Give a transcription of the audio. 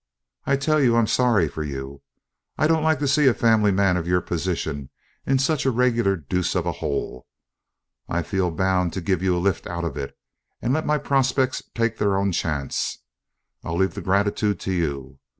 I tell you I'm sorry for you. I don't like to see a family man of your position in such a regular deuce of a hole. I feel bound to give you a lift out of it, and let my prospects take their own chance. I leave the gratitude to you.